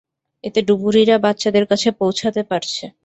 এতে ডুবুরিরা বাচ্চাদের কাছে পৌঁছাতে পারছে।